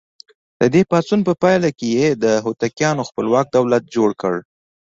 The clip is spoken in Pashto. د دې پاڅون په پایله کې یې د هوتکیانو خپلواک دولت جوړ کړ.